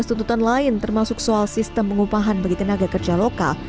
dua belas tuntutan lain termasuk soal sistem pengupahan bagi tenaga kerja lokal